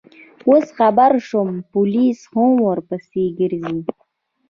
اوس خبر شوم، پولیس هم ورپسې ګرځي.